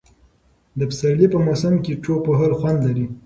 د پسرلي په موسم کې ټوپ وهل خوند لري.